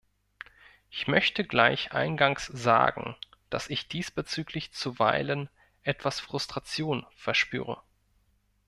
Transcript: Ich möchte gleich eingangs sagen, dass ich diesbezüglich zuweilen etwas Frustration verspüre.